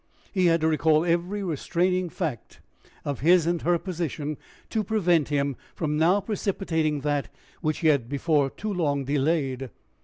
He had to recall every restraining fact of his and her position to prevent him from now precipitating that which he had before too long delayed.